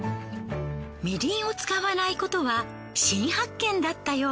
みりんを使わないことは新発見だったよう。